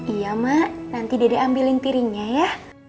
iya mak nanti dede ambilin piringnya ya